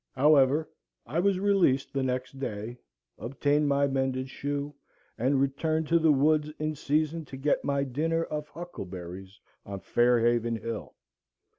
However, I was released the next day, obtained my mended shoe, and returned to the woods in season to get my dinner of huckleberries on Fair Haven Hill.